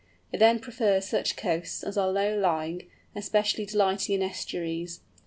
It then prefers such coasts as are low lying, especially delighting in estuaries.